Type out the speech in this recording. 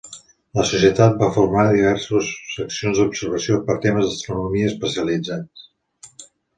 La societat va formar diverses seccions d'observació per temes d'astronomia especialitzats.